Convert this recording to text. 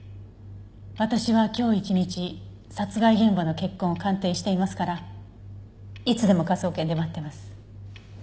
私は今日一日殺害現場の血痕を鑑定していますからいつでも科捜研で待ってます。